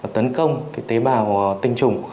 tấn công tế bào tinh trùng